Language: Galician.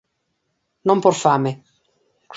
Non por fame.